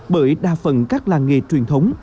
bởi đa phần các làng nghề truyền thống